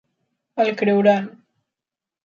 El creuran.